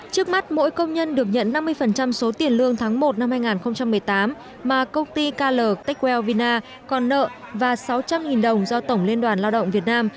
trước mắt mỗi công nhân được nhận năm mươi số tiền lương tháng một năm hai nghìn một mươi tám mà công ty kl techwell vina còn nợ và sáu trăm linh đồng do tổng liên đoàn lao động việt nam